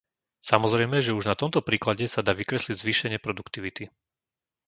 Samozrejme, že už na tomto príklade sa dá vykresliť zvýšenie produktivity.